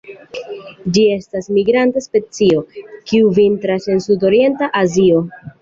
Ĝi estas migranta specio, kiu vintras en sudorienta Azio.